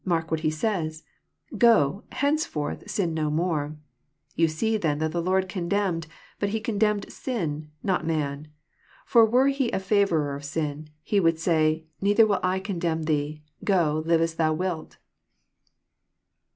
Mark what He says : Go, henceforth sin no more. Yon see then that the Lord condemned, bat He condemned sin, not man. For were He a favonrer of sin. He would say, neither will I condemn thee, go, li^e^ thou wilt."